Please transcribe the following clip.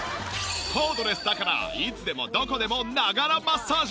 コードレスだからいつでもどこでもながらマッサージ！